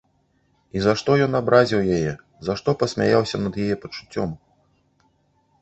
І за што ён абразіў яе, за што пасмяяўся над яе пачуццём?